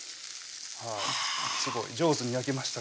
すごい上手に焼けました